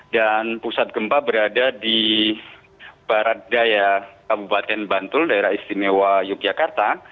dan pusat gempa berada di barat daya kabupaten bantul daerah istimewa yogyakarta